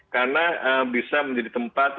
karena bisa menjadi tempat